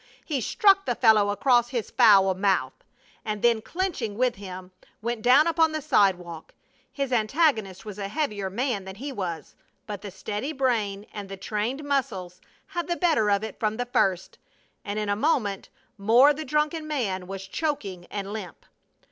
He struck the fellow across his foul mouth, and then clenching with him, went down upon the sidewalk. His antagonist was a heavier man than he was, but the steady brain and the trained muscles had the better of it from the first, and in a moment more the drunken man was choking and limp.